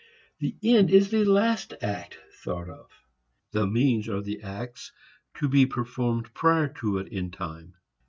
The "end" is the last act thought of; the means are the acts to be performed prior to it in time.